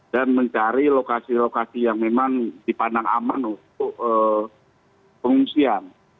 dan mencari lokasi lokasi yang memang dipandang aman untuk pengungsian